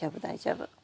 大丈夫？